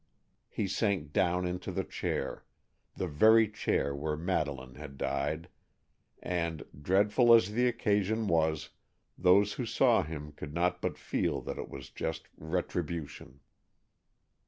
He sank down into the chair—the very chair where Madeleine had died, and, dreadful as the occasion was, those who saw him could not but feel that it was just retribution.